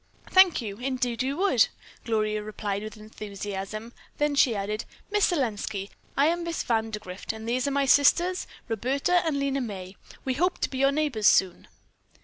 "Thank you. Indeed we would," Gloria replied with enthusiasm; then she added, "Miss Selenski, I am Miss Vandergrift, and these are my sisters, Roberta and Lena May. We hope to be your neighbors soon."